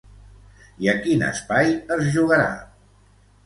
I a quin espai es jugarà?